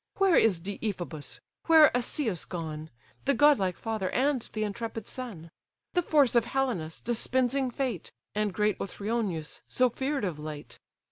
Where is Deiphobus, where Asius gone? The godlike father, and th' intrepid son? The force of Helenus, dispensing fate; And great Othryoneus, so fear'd of late?